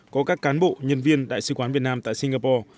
có các cán bộ nhân viên đại sứ quán việt nam tại singapore